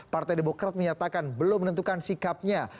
partai demokrat menyatakan belum menentukan sikapnya